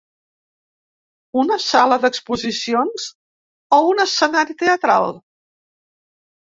Una sala d’exposicions o un escenari teatral?